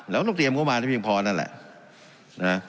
แล้วต้องเตรียมโครงพยาบาลให้เพียงพอนั่นแหละน่ะ